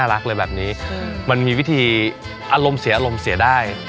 มันมีวิธีร้องกับตัวเองอารมณ์เสียอารมณ์เสียได้